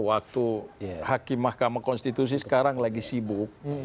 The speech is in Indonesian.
waktu hakim mahkamah konstitusi sekarang lagi sibuk